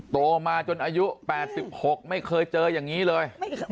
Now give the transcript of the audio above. โตมาจนอายุ๘๖ไม่เคยเจออย่างนี้เลย